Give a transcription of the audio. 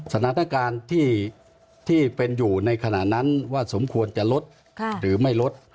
สถานการณ์ที่เป็นอยู่ในขณะนั้นว่าสมควรจะลดหรือไม่ลด